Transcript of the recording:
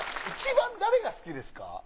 一番誰が好きですか？